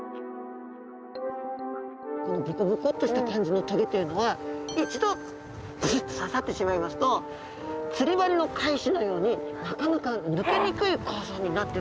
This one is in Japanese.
このボコボコっとした感じの棘っていうのは一度ぶすっと刺さってしまいますと釣り針の返しのようになかなか抜けにくい構造になってると考えられています。